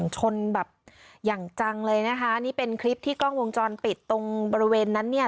ชนแบบอย่างจังเลยนะคะนี่เป็นคลิปที่กล้องวงจรปิดตรงบริเวณนั้นเนี่ย